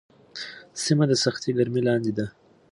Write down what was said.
سیمه د سختې ګرمۍ لاندې ده.